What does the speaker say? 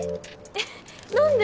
えっ何で？